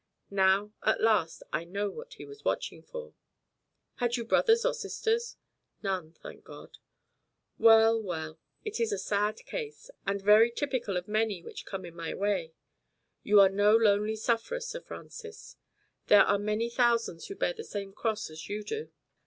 Now, at last, I know what he was watching for." "Had you brothers or sisters?" "None, thank God." "Well, well, it is a sad case, and very typical of many which come in my way. You are no lonely sufferer, Sir Francis. There are many thousands who bear the same cross as you do."